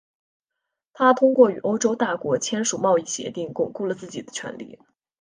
他通过与欧洲大国签署贸易协定巩固了自己的权力。